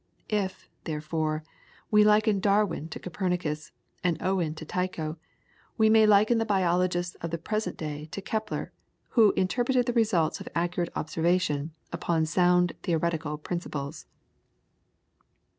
If, therefore, we liken Darwin to Copernicus, and Owen to Tycho, we may liken the biologists of the present day to Kepler, who interpreted the results of accurate observation upon sound theoretical principles.